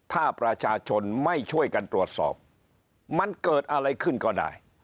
ถ้าประชาชนไม่ช่วยกันตรวจสอบมันเกิดอะไรขึ้นก็ได้